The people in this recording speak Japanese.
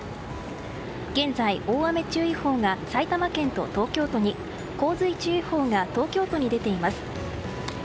現在、大雨注意報が埼玉県と東京都に洪水注意報が東京都に出ています。